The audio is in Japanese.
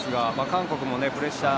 韓国もプレッシャー